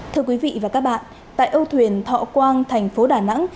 thưa quý vị và các bạn tại âu thuyền thọ quang thành phố đà nẵng